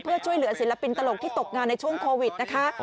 เพื่อช่วยเหลือศิลปินตลกที่ตกงานในช่วงโควิดนะคะ